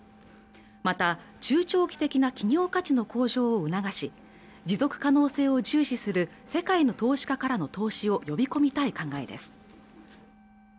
また中長期的な企業価値の向上を促し持続可能性を重視する世界の投資家からの投資を呼び込みたい考えです